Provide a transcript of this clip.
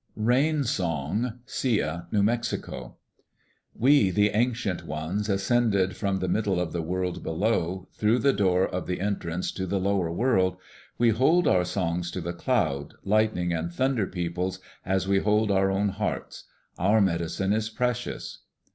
Rain Song Sia (New Mexico) We, the ancient ones, ascended from the middle of the world below, through the door of the entrance to the lower world, we hold our songs to the Cloud, Lightning, and Thunder Peoples as we hold our own hearts. Our medicine is precious.